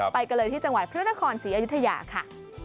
ไปกันเลยที่จังหวัดพระนครศรีอยุธยาค่ะ